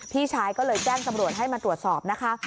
พี่ชายก็เลยแจ้งตำรวจให้มาตรวจสอบนะคะ